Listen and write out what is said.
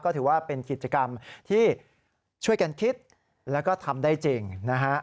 ก็ถือว่าเป็นกิจกรรมที่ช่วยกันคิดแล้วก็ทำได้จริงนะฮะ